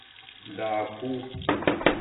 ڈاکُو